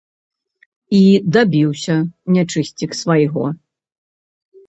І дабіўся, нячысцік, свайго.